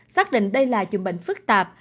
xác định đây là dùng bệnh phức tạp